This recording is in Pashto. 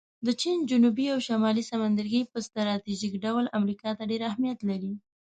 د چین جنوبي او شمالي سمندرګی په سټراټیژیک ډول امریکا ته ډېر اهمیت لري